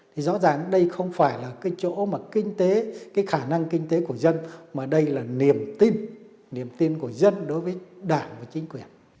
thì rõ ràng đây không phải là cái chỗ mà kinh tế cái khả năng kinh tế của dân mà đây là niềm tin niềm tin của dân đối với đảng và chính quyền